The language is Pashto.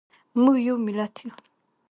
موږ یو ملت یو